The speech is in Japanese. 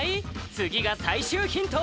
次が最終ヒント